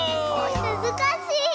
むずかしい！